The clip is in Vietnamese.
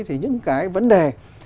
thì những cái vấn đề